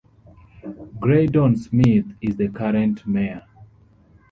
Graydon Smith is the current mayor.